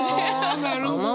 あなるほど。